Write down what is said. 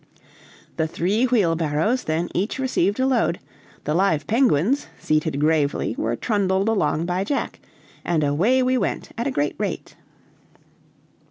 The three wheel barrows then each received a load, the live penguins, seated gravely, were trundled along by Jack, and away we went at a great rate.